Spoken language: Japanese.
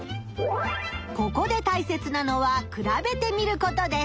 ここでたいせつなのは比べてみることです。